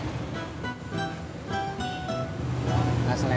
gak selera mai